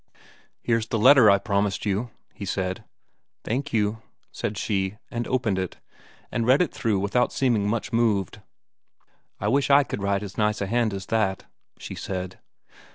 "Here's the letter I promised you," he said. "Thank you," said she, and opened it, and read it through without seeming much moved. "I wish I could write as nice a hand as that," she said.